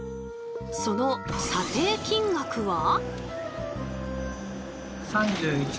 その査定金額は。